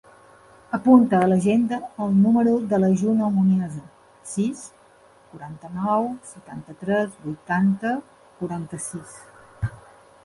Apunta a l'agenda el número de la Juno Muniesa: sis, quaranta-nou, setanta-tres, vuitanta, quaranta-sis.